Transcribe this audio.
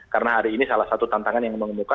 karena hari ini salah satu tantangan yang mengemukakan